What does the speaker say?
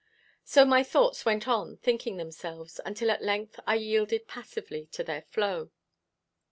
So my thoughts went on thinking themselves, until at length I yielded passively to their flow.